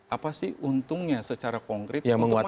apa sih untungnya secara konkret untuk kepentingan